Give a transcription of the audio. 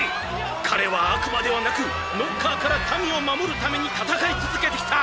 彼は悪魔ではなくノッカーから民を守るために戦い続けてきた聖戦士である！！」